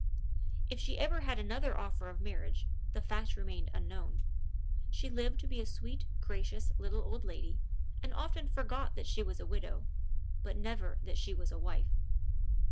If she ever had another offer of marriage, the fact remained unknown. She lived to be a sweet, gracious little old lady and often forgot that she was a widow, but never that she was a wife.